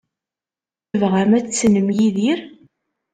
Tebɣam ad tessnem Yidir?